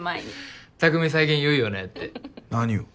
最近言うよねって。何を？